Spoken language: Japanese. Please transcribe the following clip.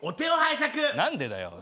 何でだよ。